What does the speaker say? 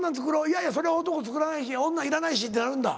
いやいやそれは男作らないし女いらないしってなるんだ。